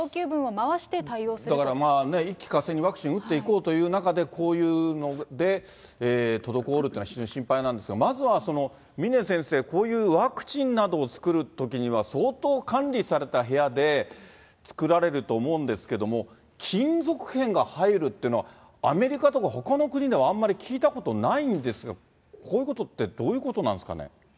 だから、一気かせいにワクチンを打っていこうという中で、こういうので滞るっていうのは、非常に心配なんですが、まずは峰先生、こういうワクチンなどを作るときには、相当、管理された部屋で作られると思うんですけれども、金属片が入るっていうのは、アメリカとかほかの国ではあんまり聞いたことないんですが、こういうことって、どういうことなんですかね。